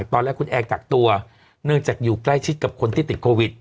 ตอนแรกคุณแอร์กักตัวเนื่องจากอยู่ใกล้ชิดกับคนที่ติดโควิด